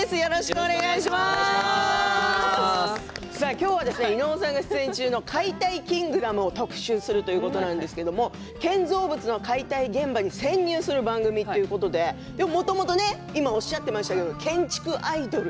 今日は伊野尾さんが出演中の「解体キングダム」を特集するということなんですけど建造物の解体現場に潜入する番組ということでもともと今おっしゃってましたが建築アイドル。